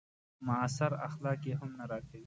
معاصر اخلاق يې هم نه راکوي.